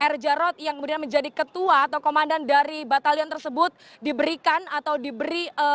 r jarod yang kemudian menjadi ketua atau komandan dari batalion tersebut diberikan atau diberi